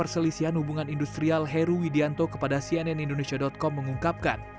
dan penjagaan perselisihan hubungan industrial heru widianto kepada cnn indonesia com mengungkapkan